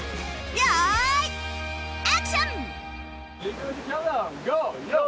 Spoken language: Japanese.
よーいアクション！